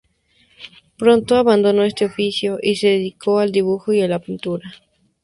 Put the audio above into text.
Pronto abandonó este oficio y se dedicó al dibujo y la pintura.